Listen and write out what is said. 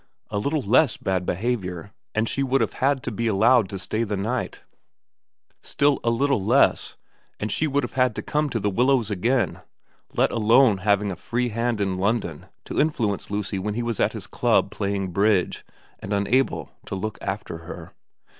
A little less bad behaviour, and she would have had to be allowed to stay the night ; still a little less, and she would have had to come to The Willows again, let alone having a free hand in London to influence Lucy when he was at his club playing bridge and unable to look after her.